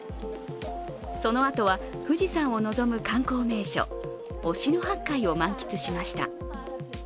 その後は富士山を望む観光名所、忍野八海を満喫しました。